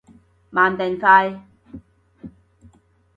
慢定快？